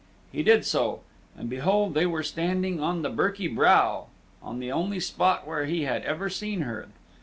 He did so, and behold they were standing on the Birky Brow, on the only spot where he had ever seen her.